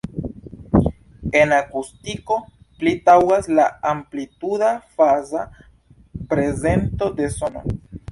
En akustiko pli taŭgas la amplituda-faza prezento de sono.